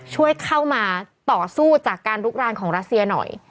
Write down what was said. ช่วยเข้ามาต่อสู้จากการลุกรานของรัสเซียหน่อย